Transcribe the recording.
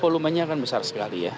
ya volumenya akan besar sekali ya